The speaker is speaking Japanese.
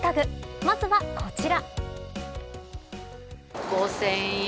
まずは、こちら。